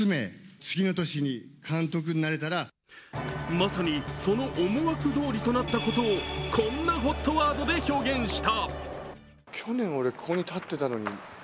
まさにその思惑通りとなったことをこんなＨＯＴワードで表現した。